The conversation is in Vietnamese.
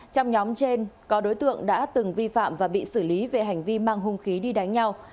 trong nhóm trên có đối tượng đã từng vi phạm và bị xử lý về hành vi mang hung khí đi đánh nhau